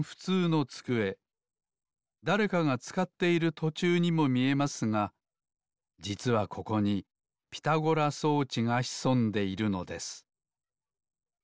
だれかがつかっているとちゅうにもみえますがじつはここにピタゴラ装置がひそんでいるのです